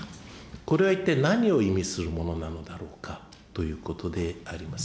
これは一体何を意味するものなのだろうかということであります。